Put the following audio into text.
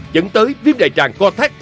dẫn tới viêm đại tràng cotac